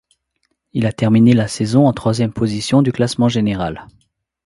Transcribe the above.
Il a terminé la saison en troisième position du classement général.